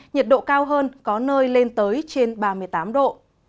nhiệt độ cao hơn có nơi lên tới trên ba mươi tám độ